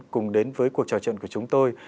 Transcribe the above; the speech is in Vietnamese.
cùng đến với cuộc trò chuyện của chúng tôi